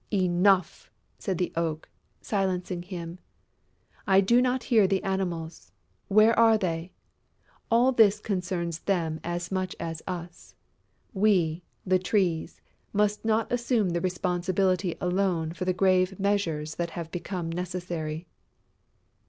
"Enough!" said the Oak, silencing him. "I do not hear the Animals.... Where are they?... All this concerns them as much as us.... We, the Trees, must not assume the responsibility alone for the grave measures that have become necessary."